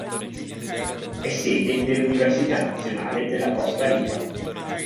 È sede dell'Università Nazionale della Costa Rica.